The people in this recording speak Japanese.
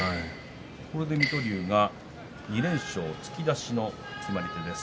これで水戸龍が２連勝突き出しの決まり手です。